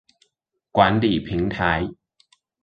管理平台